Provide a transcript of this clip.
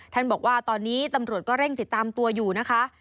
บอกว่าตอนนี้ตำรวจก็เร่งติดตามตัวอยู่นะคะ